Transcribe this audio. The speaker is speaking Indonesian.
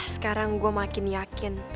sekarang gue makin yakin